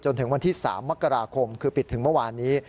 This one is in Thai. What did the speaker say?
ถึงวันที่๓มกราคมคือปิดถึงเมื่อวานนี้